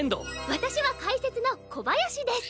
私は解説の小林です。